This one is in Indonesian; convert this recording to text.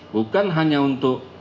bukan hanya untuk